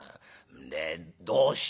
でどうした？」。